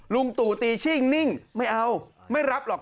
ลุงตู่ตีชิ่งนิ่งไม่เอาไม่รับหรอก